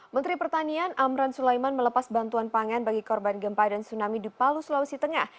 menteri pertanian amran sulaiman melepas bantuan pangan bagi korban gempa dan tsunami di palu sulawesi tengah